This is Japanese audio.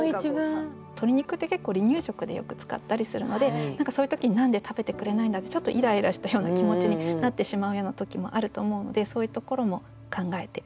鶏肉って結構離乳食でよく使ったりするので何かそういう時に何で食べてくれないんだってちょっとイライラしたような気持ちになってしまうような時もあると思うのでそういうところも考えて作りました。